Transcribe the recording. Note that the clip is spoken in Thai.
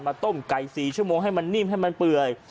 ต้มไก่๔ชั่วโมงให้มันนิ่มให้มันเปื่อย